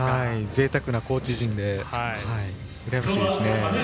ぜいたくなコーチ陣でうらやましいです。